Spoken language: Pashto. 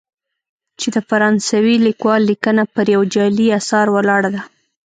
چې د فرانسوي لیکوال لیکنه پر یوه جعلي اثر ولاړه ده.